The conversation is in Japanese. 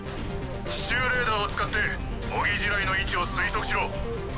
地中レーダーを使って模擬地雷の位置を推測しろ。